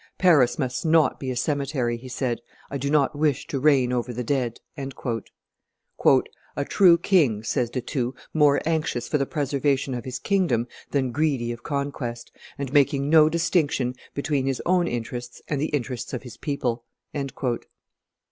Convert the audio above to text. "Paris must not be a cemetery," be said; "I do not wish to reign over the dead." "A true king," says De Thou, "more anxious for the preservation of his kingdom than greedy of conquest, and making no distinction between his own interests and the interests of his people."